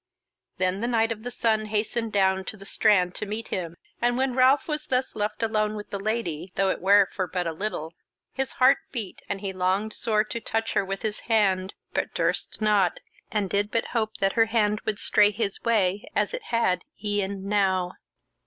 Then the Knight of the Sun hastened down to the strand to meet him, and when Ralph was thus left alone with the Lady, though it were but for a little, his heart beat and he longed sore to touch her with his hand, but durst not, and did but hope that her hand would stray his way as it had e'en now.